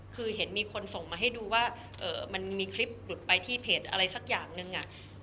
คือเห็นมีคนส่งมาให้ดูว่ามันมีคลิปหลุดไปที่เพจอะไรสักอย่างนึง